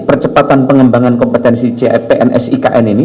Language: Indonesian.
percepatan pengembangan kompetensi cpns ikn ini